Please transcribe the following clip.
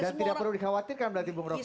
dan tidak perlu dikhawatirkan berarti bumroki